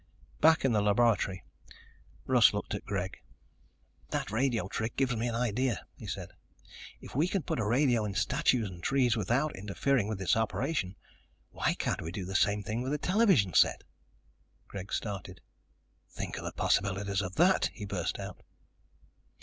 Back in the laboratory, Russ looked at Greg. "That radio trick gives me an idea," he said. "If we can put a radio in statues and trees without interfering with its operation, why can't we do the same thing with a television set?" Greg started. "Think of the possibilities of that!" he burst out.